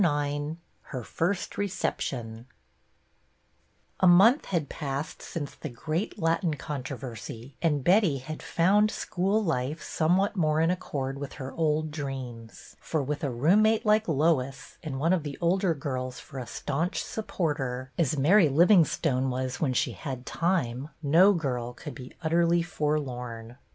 7 IX HER FIRST RECEPTION A MONTH had jjassed since the great Latin controvers)', and Betty had found school life somewhat more in accord with her old dreams ; for, with a roommate like Lois, and one of the older girls for a staunch supporter, as Mary Living stone was when she had time, no girl could be utterly forlorn.